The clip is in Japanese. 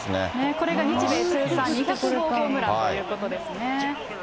これが日米通算２００号ホームランということですね。